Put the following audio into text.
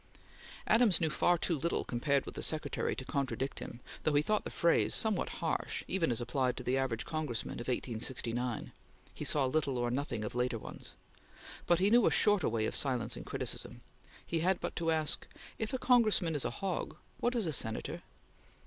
Adams knew far too little, compared with the Secretary, to contradict him, though he thought the phrase somewhat harsh even as applied to the average Congressman of 1869 he saw little or nothing of later ones but he knew a shorter way of silencing criticism. He had but to ask: "If a Congressman is a hog, what is a Senator?"